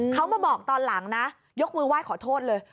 เขามาบอกตอนหลังนะยกมือไหว้ขอโทษเลย